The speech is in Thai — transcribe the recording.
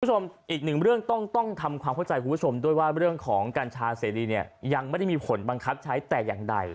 คุณผู้ชมอีกหนึ่งเรื่องต้องทำความเข้าใจคุณผู้ชมด้วยว่าเรื่องของกัญชาเสรีเนี่ยยังไม่ได้มีผลบังคับใช้แต่อย่างใด